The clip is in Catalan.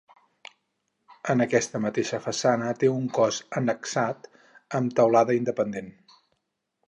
En aquesta mateixa façana té un cos annexat amb teulada independent.